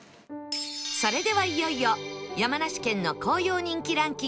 それではいよいよ山梨県の紅葉人気ランキング